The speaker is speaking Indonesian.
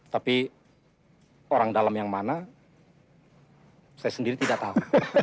tapi orang dalam yang mana saya sendiri tidak tahu